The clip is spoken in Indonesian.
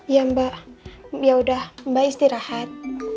ya mbak yaudah mbak istirahat